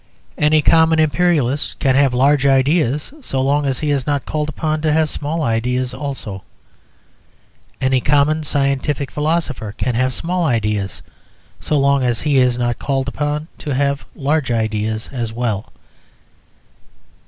Any common Imperialist can have large ideas so long as he is not called upon to have small ideas also. Any common scientific philosopher can have small ideas so long as he is not called upon to have large ideas as well.